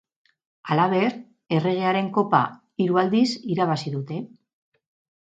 Halaber, erregearen kopa hiru aldiz irabazi dute.